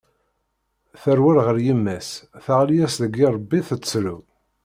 Terwel ɣer yemma-s teɣli-as deg yirebbi tettru.